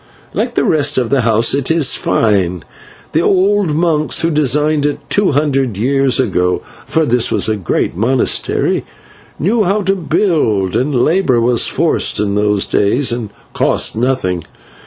Like the rest of the house, it is fine. The old monks who designed it two hundred years ago for this was a great monastery knew how to build, and labour was forced in those days and cost nothing.